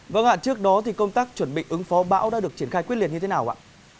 vâng ạ trước đó thì công tác chuẩn bị ứng phó bão đã được triển khai quyết liệt như thế nào ạ